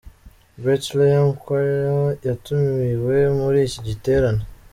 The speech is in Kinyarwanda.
Bethlehem choir yatumiwe muri iki giterane.